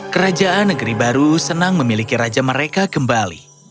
kerajaan negeri baru senang memiliki raja mereka kembali